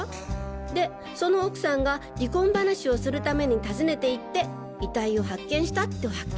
でその奥さんが離婚話をするために訪ねていって遺体を発見したってわけ。